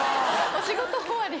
お仕事終わり。